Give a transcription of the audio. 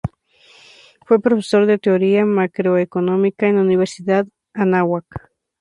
Fue profesor de Teoría Macroeconómica en la Universidad Anáhuac.